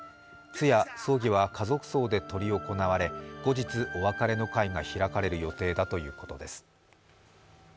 通夜・葬儀は家族葬で執り行われ後日、お別れの会が開かれる予定だということです。